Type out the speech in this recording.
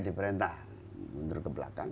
diperintah menurut ke belakang